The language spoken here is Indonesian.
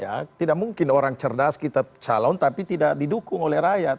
ya tidak mungkin orang cerdas kita calon tapi tidak didukung oleh rakyat